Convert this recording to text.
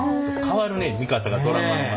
変わるね見方がドラマの。